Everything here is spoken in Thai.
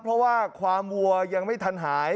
เพราะว่าความวัวยังไม่ทันหาย